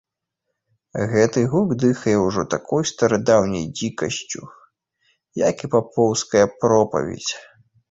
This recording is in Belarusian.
Гэты гук дыхае ўжо такой старадаўняй дзікасцю, як і папоўская пропаведзь.